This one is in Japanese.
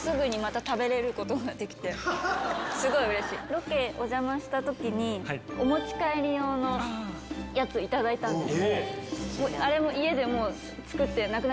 ロケお邪魔した時にお持ち帰り用のやつ頂いたんです。